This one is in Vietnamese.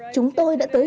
chúng tôi đã tới